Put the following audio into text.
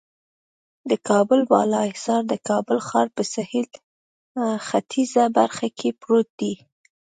د کابل بالا حصار د کابل ښار په سهیل ختیځه برخه کې پروت دی.